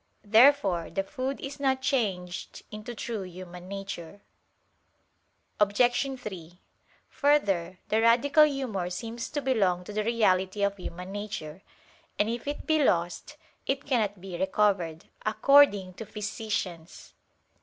Therefore the food is not changed into true human nature. Obj. 3: Further, the "radical humor" seems to belong to the reality of human nature; and if it be lost, it cannot be recovered, according to physicians.